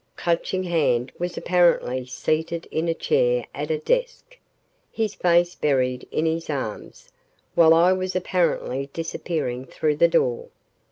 Clutching Hand was apparently seated in a chair at a desk, his face buried in his arms, while I was apparently disappearing through the door.